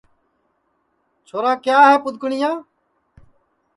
چھورا کیا ہے پُدؔکٹؔیا ہے